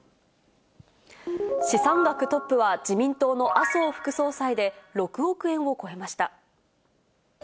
資産額トップは、自民党の麻生副総裁で、６億円を超えました。